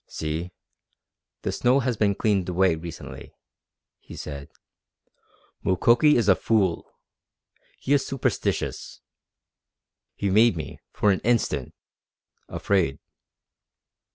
"See, the snow has been cleaned away recently," he said. "Mukoki is a fool. He is superstitious. He made me, for an instant afraid."